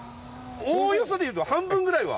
おおよそでいうと半分ぐらいは。